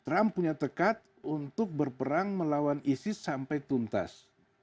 trump punya tekad untuk berperang melawan isis sampai tuntas